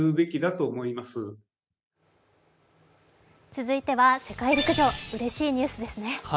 続いては世界陸上、うれしいニュースですね。